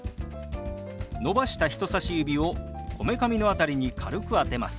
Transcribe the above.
伸ばした人さし指をこめかみの辺りに軽く当てます。